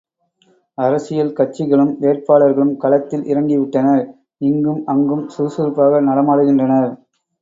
அரசியல் கட்சிகளும் வேட்பாளர்களும் களத்தில் இறங்கிவிட்டனர் இங்கும் அங்கும் சுறுசுறுப்பாக நடமாடுகின்றனர்!